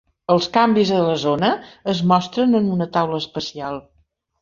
Els canvis a la zona es mostren en una taula especial.